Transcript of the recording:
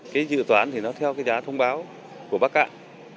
cái dự toán thì nó theo cái giá thông báo của bắc cạn